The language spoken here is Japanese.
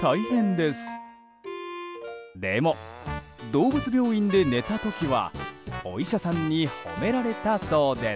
でも、動物病院で寝た時はお医者さんに褒められたそうです。